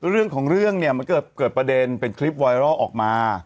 เรื่องของเรื่องเนี่ยมันเกิดประเด็นเป็นคลิปไวรัลออกมา